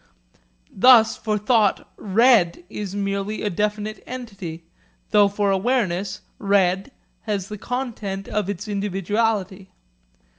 Thus for thought 'red' is merely a definite entity, though for awareness 'red' has the content of its individuality.